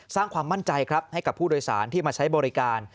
สร้างความมั่นใจครับให้กับผู้โดยสารที่มาใช้บริการ